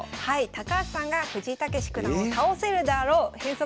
高橋さんが藤井猛九段を倒せるであろう変則